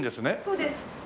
そうです。